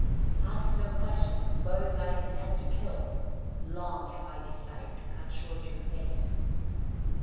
74. "Ask no questions, both I intend to kill; long have I desired to cut short your days."